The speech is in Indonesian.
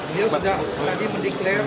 dia sudah tadi mendeklarasi